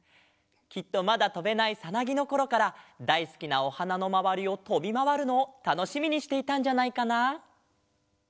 きっとまだとべないさなぎのころからだいすきなおはなのまわりをとびまわるのをたのしみにしていたんじゃないかな？